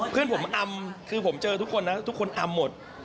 เพื่อนผมอำคือผมเจอทุกคนนะทุกคนอำหมด